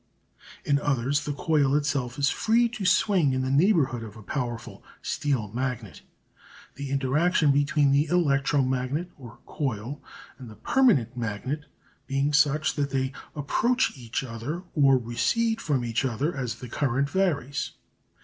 In others the coil itself is free to swing in the neighbourhood of a powerful steel magnet, the interaction between the electro magnet, or coil, and the permanent magnet being such that they approach each other or recede from each other as the current varies.